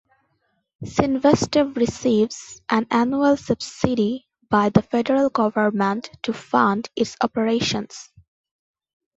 Cinvestav receives an annual subsidy by the Federal Government to fund its operations.